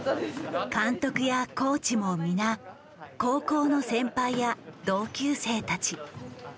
監督やコーチも皆高校の先輩や同級生たち。